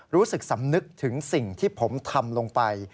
รู้สึกสำนึกถึงสิ่งที่ผมทำลงไป